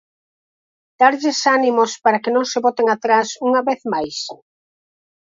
¿Darlles ánimos para que non se boten atrás unha vez máis?